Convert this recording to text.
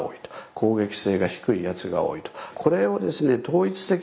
攻撃性が低いやつが多いと。